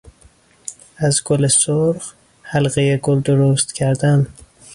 از گل سرخ حلقهی گل درست کردن